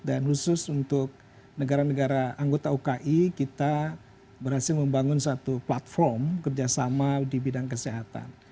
dan khusus untuk negara negara anggota oki kita berhasil membangun satu platform kerjasama di bidang kesehatan